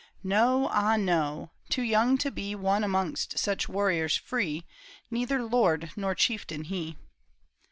No, ah no ; too young to be One amongst such warriors free, Neither lord nor chieftain he.